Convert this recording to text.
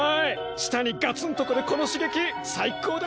舌にガツンとくるこのしげき最高だ！